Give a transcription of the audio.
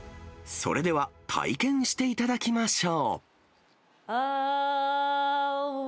それでは、体験していただきましょう。